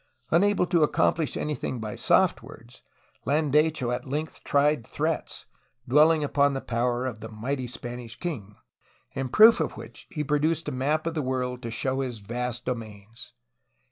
Unable to accomplish anything by soft words, Landecho at length tried threats, dwelling upon the power of the mighty Spanish king, in proof of which he produced a map of the world to show his vast domains.